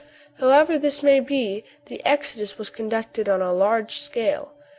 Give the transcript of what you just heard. However this may be, the exodus was conducted on a large scale.